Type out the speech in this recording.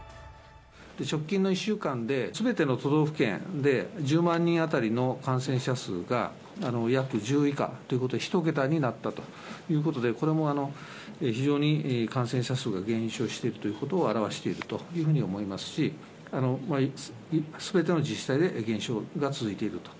直近の１週間で、すべての都道府県で１０万人当たりの感染者数が約１０以下ということで、１桁になったということで、これも非常に感染者数が減少しているということを表しているというふうに思いますし、すべての自治体で減少が続いていると。